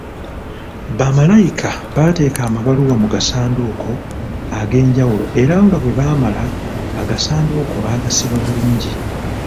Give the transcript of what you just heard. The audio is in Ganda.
Bamalayika bateeka amabaluwa mu gasanduuko ag’enjawulo era nga bwe bamala agasanduuko bagasiba bulungi.